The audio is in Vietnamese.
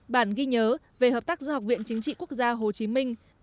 bản ghi nhớ về hợp tác giữa học viện chính trị quốc gia hồ chí minh